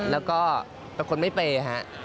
แล้วก็เป็นคนไม่เปย์ฮะ